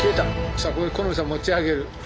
さあこれで木実さん持ち上げる。